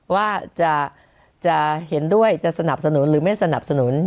ว่าจะเห็นด้วยจะสนับสนุนหรือไม่สนับสนุน